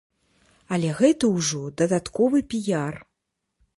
Але гэта ўжо дадатковы піяр.